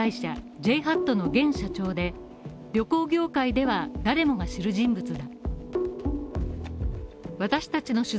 ＪＨＡＴの現社長で、旅行業界では誰もが知る人物だ。